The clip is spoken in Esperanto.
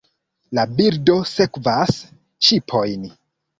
La birdo sekvas ŝipojn.